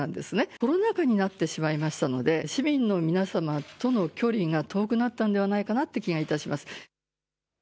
コロナ禍になってしまいましたので、市民の皆様との距離が遠くなったんではないかなって気がいたします。